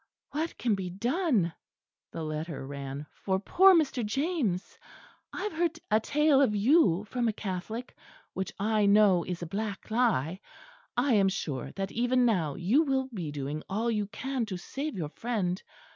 "What can be done," the letter ran, "for poor Mr. James? I have heard a tale of you from a Catholic, which I know is a black lie. I am sure that even now you will be doing all you can to save your friend.